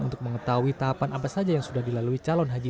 untuk mengetahui tahapan apa saja yang sudah dilalui calon haji